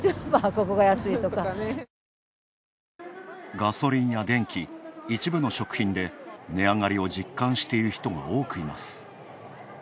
ガソリンや電気、一部の食品で値上がりを実感している人が多くいます。